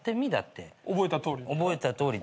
覚えたとおり？